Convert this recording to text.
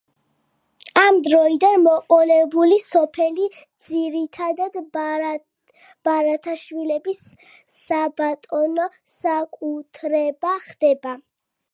ამ დროიდან მოყოლებული სოფელი ძირითადად ბარათაშვილების საბატონო საკუთრება ხდება.